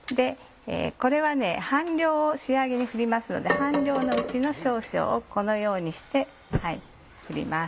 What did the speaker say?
これは半量を仕上げに振りますので半量のうちの少々をこのようにして振ります。